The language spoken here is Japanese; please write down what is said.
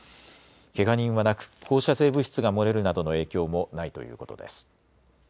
けが人はなく放射性物質が漏れるなどの影響もないということです。